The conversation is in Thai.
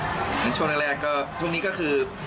เหมือนช่วงแรกก็ช่วงนี้ก็คือ